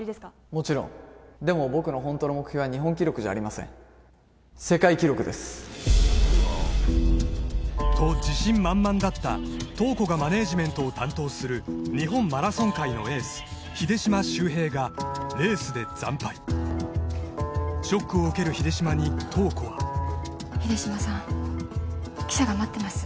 もちろんでも僕のホントの目標は日本記録じゃありません世界記録ですと自信満々だった塔子がマネージメントを担当する日本マラソン界のエース秀島修平がレースで惨敗ショックを受ける秀島に塔子は秀島さん記者が待ってます